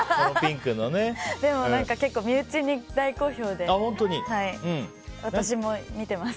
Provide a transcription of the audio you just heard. でも、結構身内に大好評で私も見てます。